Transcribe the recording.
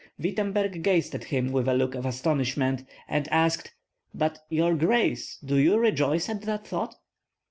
Wittemberg gazed on him with a look of astonishment, and asked, "But, your grace, do you rejoice at the thought?"